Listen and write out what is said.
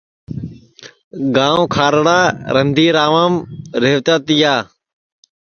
گانٚو کھارڑارندھیرام ریہوتا تِیا